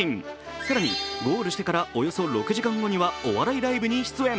更にゴールしてから、およそ６時間後にはお笑いライブに出演。